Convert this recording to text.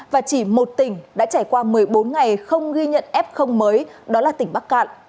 và chỉ một tỉnh đã trải qua một mươi bốn ngày không ghi nhận f mới đó là tỉnh bắc cạn